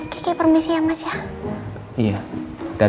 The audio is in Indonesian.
kiki permisi ya mas ya